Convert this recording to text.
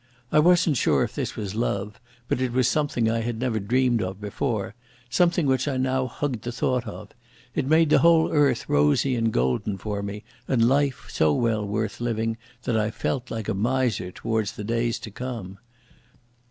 I wasn't sure if this was love, but it was something I had never dreamed of before, something which I now hugged the thought of. It made the whole earth rosy and golden for me, and life so well worth living that I felt like a miser towards the days to come.